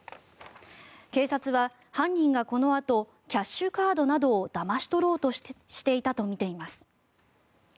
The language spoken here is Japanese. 警察は犯人がこのあとキャッシュカードなどをだまし取ろうとしていたとみています。